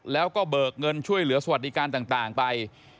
แล้วก็เบิกเงินช่วยเหลือสวัสดิการต่างไป